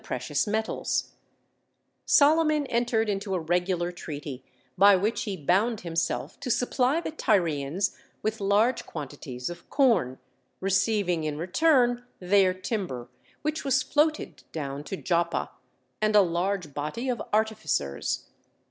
] Solomon entered into a regular treaty, by which he bound himself to supply the Tyrians with large quantities of corn; receiving in return their timber, which was floated down to Joppa, and a large body of artificers.